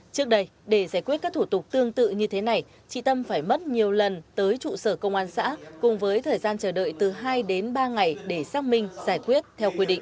trước đây để giải quyết các thủ tục tương tự như thế này chị tâm phải mất nhiều lần tới trụ sở công an xã cùng với thời gian chờ đợi từ hai đến ba ngày để xác minh giải quyết theo quy định